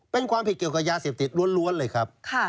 เป็นความผิดเกี่ยวกับยาเสพติดล้วนเลยครับ